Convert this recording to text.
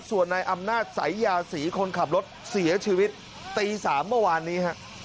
ส่วนในอำนาจสายยาศรีคนขับรถเสียชีวิตตี๓เมื่อวานนี้ฮะ